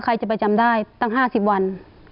ใครจะไปจำได้ตั้ง๕๐วัน